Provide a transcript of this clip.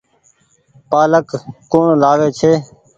پآلڪ ڪوڻ لآوي ڇي۔